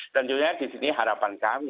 tentunya disini harapan kami